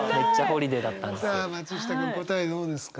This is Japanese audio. じゃあ松下君答えどうですか？